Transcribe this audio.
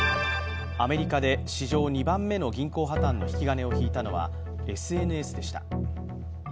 アメリカで史上２番目の銀行破綻の引き金を引いたのはＳＮＳでした。